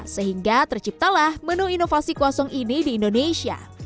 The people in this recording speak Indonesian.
sehingga terciptalah menu inovasi kosong ini di indonesia